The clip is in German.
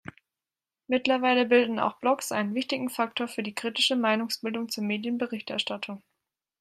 Mittlerweile bilden auch Blogs einen wichtigen Faktor für die kritische Meinungsbildung zur Medienberichterstattung.